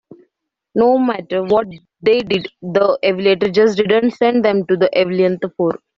No matter what they did, the elevator just didn't send them to the eleventh floor.